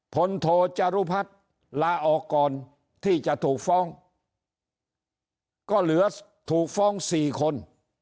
โทจารุพัฒน์ลาออกก่อนที่จะถูกฟ้องก็เหลือถูกฟ้องสี่คน